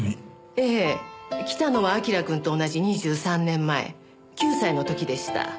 ええ来たのは明君と同じ２３年前９歳の時でした。